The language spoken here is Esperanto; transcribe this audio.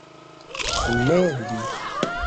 Ne li.